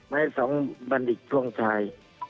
ไม้๒บรรดิกช่วงชาย